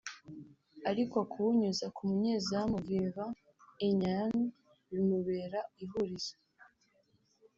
ariko kuwunyuza ku munyezamu Vinvent Enyeama bimubera ihurizo